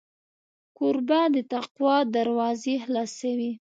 کوربه د تقوا دروازې خلاصوي.